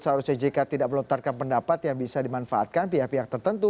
seharusnya jk tidak melontarkan pendapat yang bisa dimanfaatkan pihak pihak tertentu